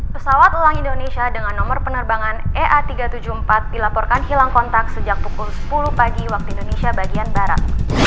pesawat ulang indonesia dengan nomor penerbangan ea tiga ratus tujuh puluh empat dilaporkan hilang kontak sejak pukul sepuluh pagi waktu indonesia bagian barat